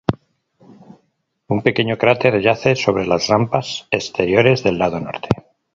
Un pequeño cráter yace sobre las rampas exteriores del lado norte.